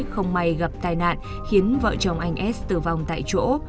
không may gặp tai nạn khiến vợ chồng anh s tử vong tại chỗ